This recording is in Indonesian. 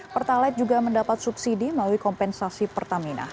pertalite juga mendapat subsidi melalui kompensasi pertamina